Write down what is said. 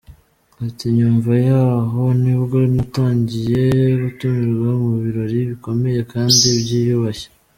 Ati “Nyuma yaho nibwo natangiye gutumirwa mu birori bikomeye kandi byiyubashye.